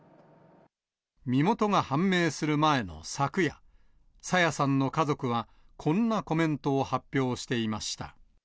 身元が判明する前の昨夜、朝芽さんの家族は、こんなコメントを発表していました。